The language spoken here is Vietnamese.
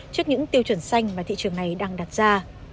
trước những tiêu chuẩn xanh mà thị trường này đang đặt ra